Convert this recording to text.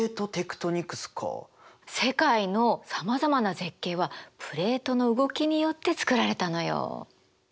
世界のさまざまな絶景はプレートの動きによってつくられたのよ。